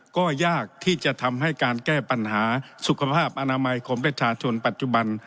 ก็ยากที่จะทำให้การแก้ปัญหาสุขภาพอนามัยของประชาชนปัจจุบัน